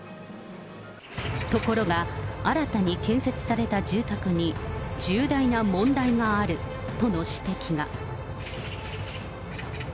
ところが、新たに建設された住宅に重大な問題があるとの指摘が。